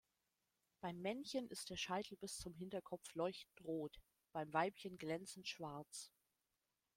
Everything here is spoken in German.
Beim Männchen ist der Scheitel bis zum Hinterkopf leuchtend rot, beim Weibchen glänzend schwarz.